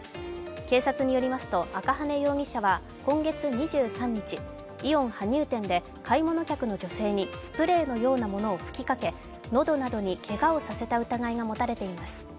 警察によりますと赤羽容疑者は今月２３日、イオン羽生店で買い物客の女性にスプレーのようなものを吹きかけ喉などにけがをさせた疑いが持たれています。